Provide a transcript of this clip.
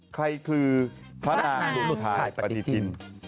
ใครคือพระนางดุมถ่ายปฏิทิน